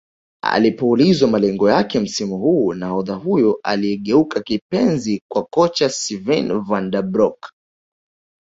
Alipoulizwa malengo yake msimu huu nahodha huyo aliyegeuka kipenzi kwa kocha Sven Vanden broeck